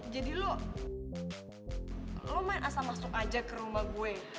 jadi lo lo main asal masuk aja ke rumah gue